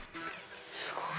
すごい。